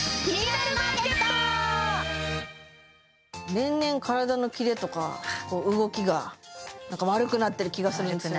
年々体のキレとか動きがなんか悪くなってる気がするんですよね